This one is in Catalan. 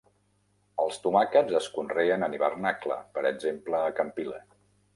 Els tomàquets es conreen en hivernacle, per exemple a Campile.